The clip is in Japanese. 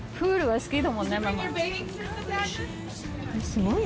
すごい。